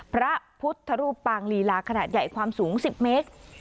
พระพุทธรูปปางลีลาขนาดใหญ่ความสูง๑๐เมตร